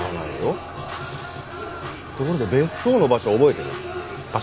ところで別荘の場所覚えてる？場所？